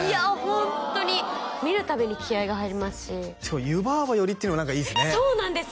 ホントに見るたびに気合が入りますししかも湯婆婆よりっていうのも何かいいですねそうなんですよ